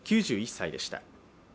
９１歳でした。